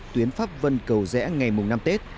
đến pháp vân cầu rẽ ngày mùng năm tết